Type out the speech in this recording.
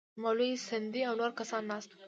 مولوي سندی او نور کسان ناست وو.